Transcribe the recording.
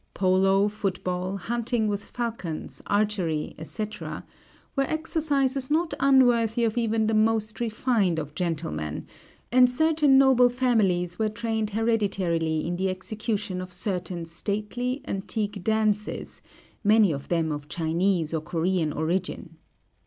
Polo, football, hunting with falcons, archery, etc., were exercises not unworthy of even the most refined of gentlemen, and certain noble families were trained hereditarily in the execution of certain stately, antique dances, many of them of Chinese or Corean origin.